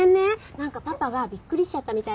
なんかパパがびっくりしちゃったみたいで。